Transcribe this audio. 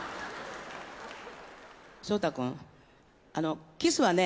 翔太くんあのキスはね